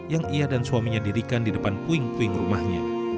yang ia dan suaminya dirikan di depan puing puing rumahnya